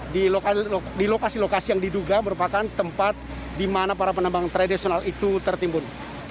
di lokasi lokasi yang diduga merupakan tempat di mana para penambang tradisional itu tertimbun